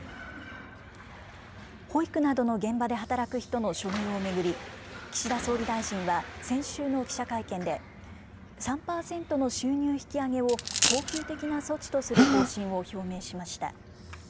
保育などの現場で働く人の処遇を巡り、岸田総理大臣は、先週の記者会見で、３％の収入引き上げを恒久的な措置とする方針を表明しました。